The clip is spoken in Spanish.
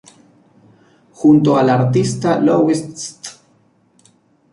Junto al artista Louis St.